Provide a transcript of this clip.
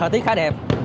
hợp tiết khá đẹp